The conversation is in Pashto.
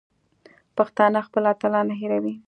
پښتانه خپل اتلان نه هېروي.